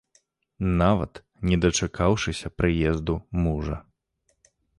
Нават не дачакаўшыся прыезду мужа.